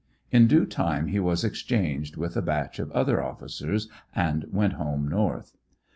In due time he was exchanged with a batch of other officers and went home North.